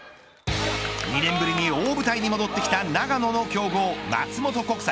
２年ぶりに大舞台に戻ってきた長野の強豪松本国際。